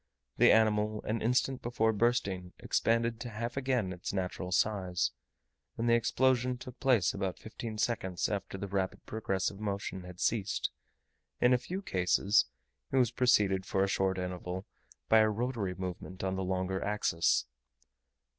The animal an instant before bursting expanded to half again its natural size; and the explosion took place about fifteen seconds after the rapid progressive motion had ceased: in a few cases it was preceded for a short interval by a rotatory movement on the longer axis.